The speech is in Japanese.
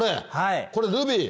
これルビー？